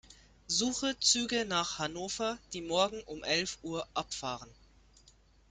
Suche Züge nach Hannover, die morgen um elf Uhr abfahren.